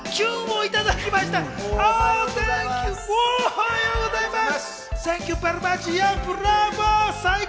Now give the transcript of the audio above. おはようございます。